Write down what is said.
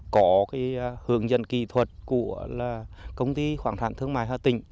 có hướng dẫn kỹ thuật của công ty khoảng sản thương mại hợp tỉnh